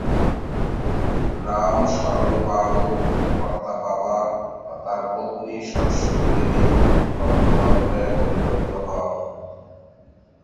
রামশরণ পাল ‘কর্তাবাবা’ ও তাঁর পত্নী সরস্বতী দেবী ‘কর্তামা’রূপে পরিগণিত হন।